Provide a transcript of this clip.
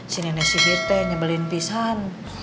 si nenek sihir teh nyebelin pisan